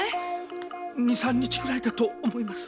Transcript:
二三日くらいだと思います。